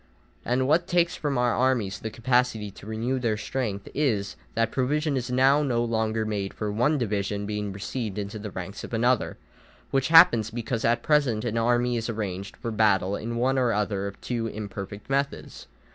And what takes from our armies the capacity to renew their strength is, that provision is now no longer made for one division being received into the ranks of another, which happens because at present an army is arranged for battle in one or other of two imperfect methods.